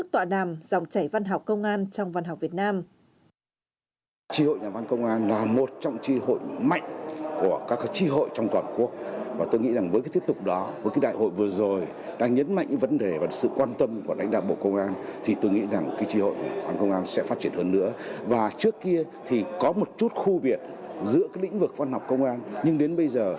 còn trong thời gian tới thì như thế nào